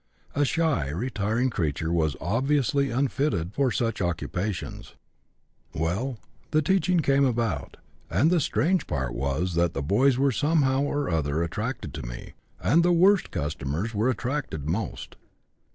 A shy, retiring creature was obviously unfitted for such occupations. Well, the teaching came about, and the strange part was that the boys were somehow or other attracted by me, and the 'worst' customers were attracted most.